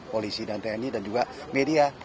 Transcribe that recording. polisi dan tni dan juga media